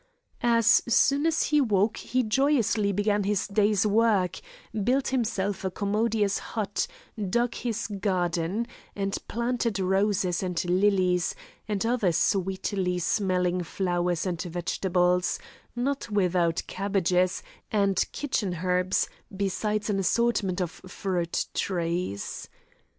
As soon as he woke he joyously began his day's work, built himself a commodious hut, dug his garden, and planted roses and lilies, and other sweetly smelling flowers and vegetables, not without cabbages and kitchen herbs, besides an assortment of fruit trees.